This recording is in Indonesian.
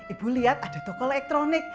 ibu lihat ada toko elektronik